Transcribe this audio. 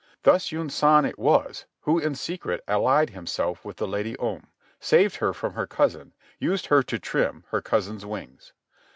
Thus Yunsan it was who in secret allied himself with the Lady Om, saved her from her cousin, used her to trim her cousin's wings.